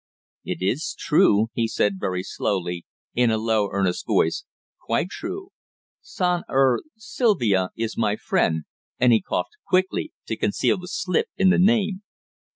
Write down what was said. "It is true," he said very slowly, in a low, earnest voice, "quite true, Son er, Sylvia is my friend," and he coughed quickly to conceal the slip in the name.